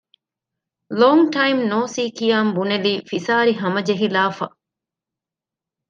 ލޯންގް ޓައިމް ނޯސީ ކިޔާން ބުނެލީ ފިސާރިހަމަޖެހިލާފަ